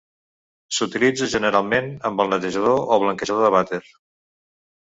S'utilitza generalment amb el netejador o blanquejador de vàter.